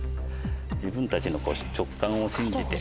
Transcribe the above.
自分たちの直感を信じて。